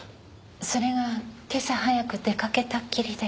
それが今朝早く出かけたっきりで。